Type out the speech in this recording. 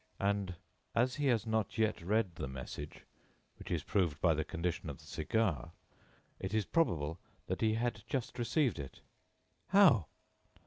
"And as he has not yet read the message, which is proved by the condition of the cigar, it is probable that he had just received it." "How?"